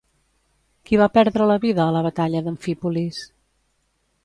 Qui va perdre la vida a la batalla d'Amfípolis?